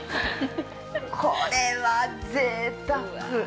これはぜいたく。